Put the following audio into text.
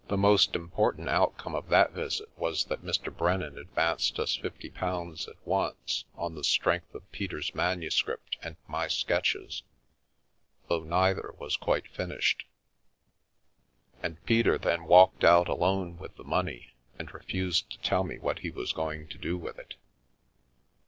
The most important outcome of that visit was that Mr. Brennan advanced us fifty pounds at once, on the strength of Peter's manuscript and my sketches, though neither was quite finished ; and Peter then walked out alone with the money, and refused to tell me what he was going to do with it.